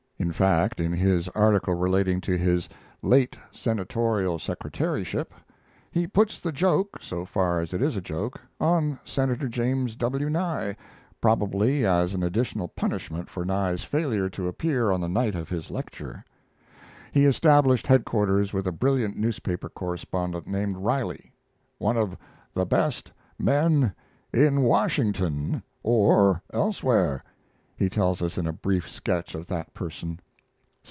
In fact, in his article relating to his "late senatorial secretaryship" he puts the joke, so far as it is a joke, on Senator James W. Nye, probably as an additional punishment for Nye's failure to appear on the night of his lecture. He established headquarters with a brilliant newspaper correspondent named Riley. "One of the best men in Washington or elsewhere," he tells us in a brief sketch of that person.